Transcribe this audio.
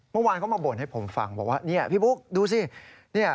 เมื่อวานเขามาบ่นให้ผมฟังบอกว่าเนี่ยพี่บุ๊คดูสิ